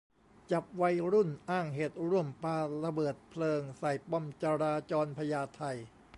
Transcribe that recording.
จับวัยรุ่น อ้างเหตุร่วมปาระเบิดเพลิงใส่ป้อมจราจรพญาไท